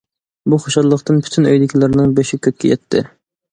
بۇ خۇشاللىقتىن پۈتۈن ئۆيدىكىلەرنىڭ بېشى كۆككە يەتتى.